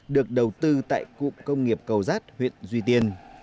được đầu tư tại cụm công nghiệp cầu giác huyện duy tiên